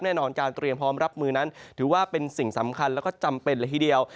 แน่นอนการเตรียมพร้อมรับมือนั้นถือว่าเป็นสิ่งสำคัญแล้วก็จำเป็นเลยทีเดียว